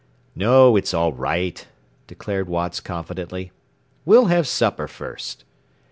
"No; it's all right," declared Watts confidently. "We'll have supper first."